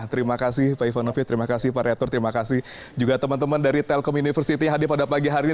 terima kasih pak ivanovi terima kasih pak reaktor terima kasih juga teman teman dari telkom university hadir pada pagi hari ini